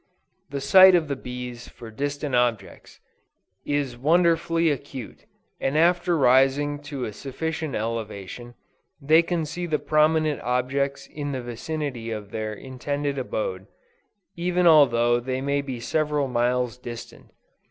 The sight of the bees for distant objects, is wonderfully acute, and after rising to a sufficient elevation, they can see the prominent objects in the vicinity of their intended abode, even although they may be several miles distant.